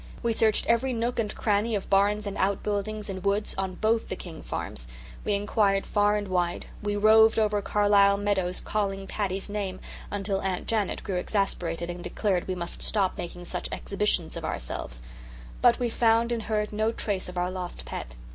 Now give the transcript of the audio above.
We searched every nook and cranny of barns and out buildings and woods on both the King farms; we inquired far and wide; we roved over Carlisle meadows calling Paddy's name, until Aunt Janet grew exasperated and declared we must stop making such exhibitions of ourselves. But we found and heard no trace of our lost pet.